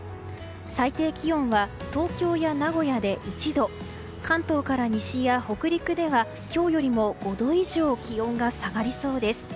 最低気温は東京や名古屋で１度関東から西や北陸では今日よりも５度以上気温が下がりそうです。